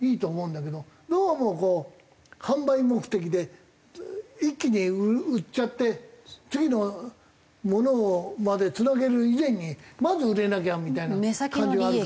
どうもこう販売目的で一気に売っちゃって次のものまでつなげる以前にまず売れなきゃみたいな感じはあるからね。